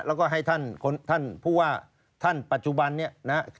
แล้วก็ให้ท่านผู้ว่าท่านปัจจุบันเนี่ยนะฮะ